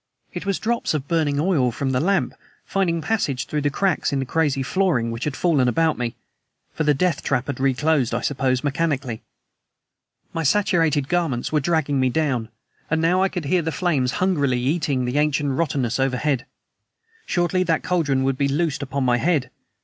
It was drops of burning oil from the lamp, finding passage through the cracks in the crazy flooring, which had fallen about me for the death trap had reclosed, I suppose, mechanically. My saturated garments were dragging me down, and now I could hear the flames hungrily eating into the ancient rottenness overhead. Shortly that cauldron would be loosed upon my head.